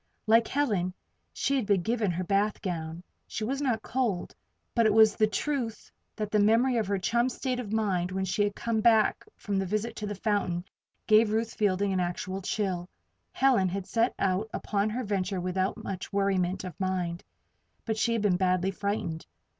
Like Helen, she had been given her bath gown. She was not cold. But it was truth that the memory of her chum's state of mind when she had come back from the visit to the fountain, gave Ruth Fielding an actual chill. Helen had set out upon her venture without much worriment of mind; but she had been badly frightened.